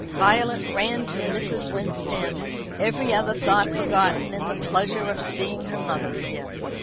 Violet ran to Mrs. Winstanley, every other thought forgotten in the pleasure of seeing her mother again.